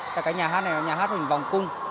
cái nhà hát này là nhà hát hình vòng cung